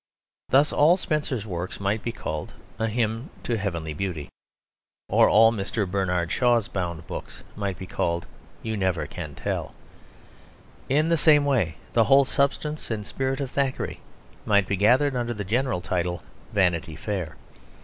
Thus all Spenser's works might be called A Hymn to Heavenly Beauty; or all Mr. Bernard Shaw's bound books might be called You Never Can Tell. In the same way the whole substance and spirit of Thackeray might be gathered under the general title Vanity Fair.